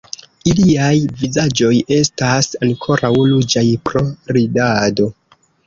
Iliaj vizaĝoj estas ankoraŭ ruĝaj pro ridado.